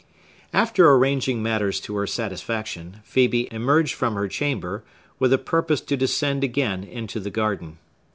After arranging matters to her satisfaction, Phœbe emerged from her chamber, with a purpose to descend again into the garden.